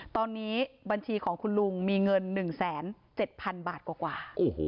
ตอนนี้บัญชีของคุณลุงมีเงิน๑๗๐๐๐บาทกว่า